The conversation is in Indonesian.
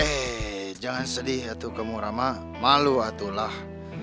eh jangan sedih tuh kamu rama malu tuh lah